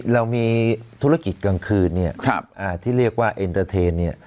เรามีธุรกิจกลางคืนเนี่ยที่เรียกว่าเอ็นเตอร์เทนเนี่ย